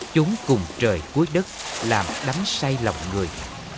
chúng cùng trời cuối đất làm đắm say lòng người